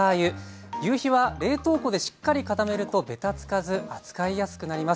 ぎゅうひは冷凍庫でしっかり固めるとべたつかず扱いやすくなります。